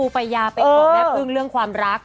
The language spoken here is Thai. ยาเป็นห่วงแม่พึ่งเรื่องความรัก